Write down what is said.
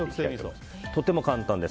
とても簡単です。